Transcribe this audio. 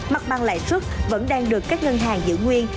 mặt bằng lãi suất vẫn đang được các ngân hàng giữ nguyên